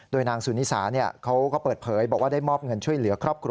นางสุนิสาเขาก็เปิดเผยบอกว่าได้มอบเงินช่วยเหลือครอบครัว